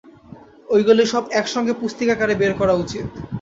ঐগুলি সব একসঙ্গে পুস্তিকাকারে বের করা উচিত।